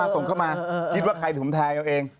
ส่งเข้ามาคิดว่าใครผมแทนเอาเอง